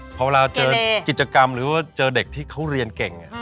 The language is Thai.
พอเวลาเจอกิจกรรมหรือว่าเจอเด็กที่เขาเรียนเก่ง